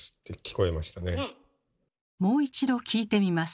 もう一度聞いてみます。